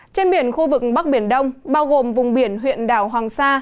trên biển khu vực bắc biển đông bao gồm vùng biển huyện đảo hoàng sa